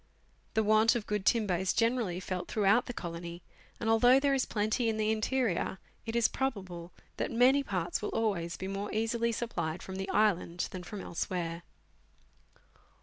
The want of good timber is generally felt through out the colony, and, although there is plenty in the interior, it is probable that many parts will always be more easily supplied from the island than from elsewhere.